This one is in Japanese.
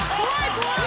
怖い！